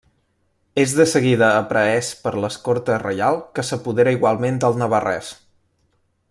És de seguida aprehès per l'escorta reial que s'apodera igualment del navarrès.